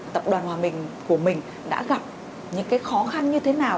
tập đoàn hòa bình của mình đã gặp những khó khăn như thế nào